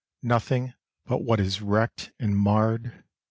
Nothing but what is wreck' d and marr'd.